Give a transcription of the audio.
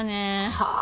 はあ。